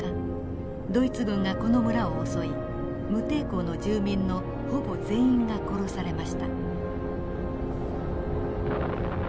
ドイツ軍がこの村を襲い無抵抗の住民のほぼ全員が殺されました。